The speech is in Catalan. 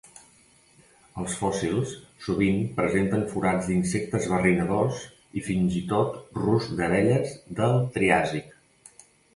Els fòssils sovint presenten forats d'insectes barrinadors i fins i tot ruscs d'abelles del Triàsic.